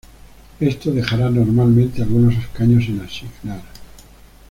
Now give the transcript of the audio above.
Esto dejará normalmente algunos escaños sin asignar.